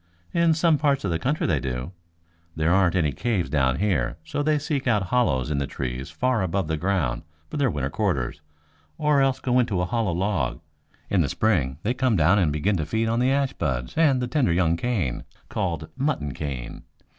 "In some parts of the country they do. There aren't any caves down here, so they seek out hollows in the trees far above the ground for their winter quarters, or else go into a hollow log. In the spring they come down and begin to feed on the ash buds and the tender young cane, called 'mutton cane.'